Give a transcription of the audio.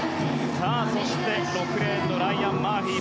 そして、６レーンのライアン・マーフィー。